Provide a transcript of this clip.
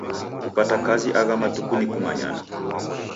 Kupata kazi agha matuku ni kumanyana.